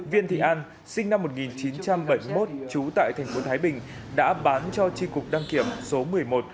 viên thị an sinh năm một nghìn chín trăm bảy mươi một trú tại thành phố thái bình đã bán cho tri cục đăng kiểm số một mươi một